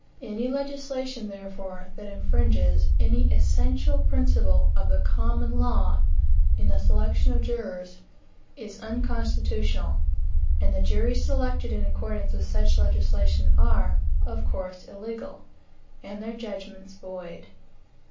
Any legislation, therefore, that infringes any essential principle of the common law, in the selection of jurors, is unconstitutional; and the juries selected in accordance with such legislation are, of course, illegal, and their judgments void.